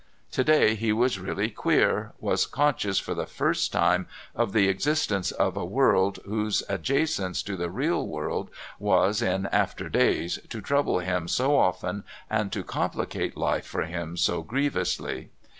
To day he was really "queer," was conscious for the first time of the existence of a world whose adjacence to the real world was, in after days, to trouble him so often and to complicate life for him so grievously.